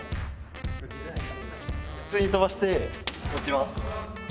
普通に飛ばして落ちます。